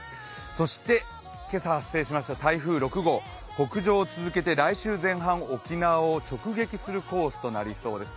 そして、今朝発生しました台風６号、北上を続けて、来週前半、沖縄を直撃するコースとなりそうです。